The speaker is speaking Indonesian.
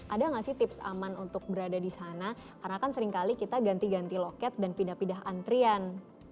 ada nggak sih tips aman untuk berada di sana karena kan seringkali kita ganti ganti loket dan pindah pindah antrian